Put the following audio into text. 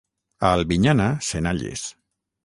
A Albinyana, senalles.